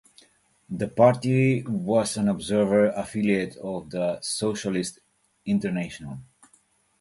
The party was an observer affiliate of the Socialist International.